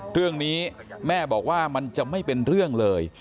เรื่องนี้แม่บอกว่ามันจะไม่เป็นเรื่องเลย